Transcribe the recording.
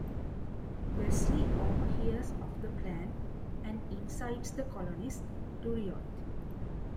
Wesley overhears of the plan and incites the colonists to riot.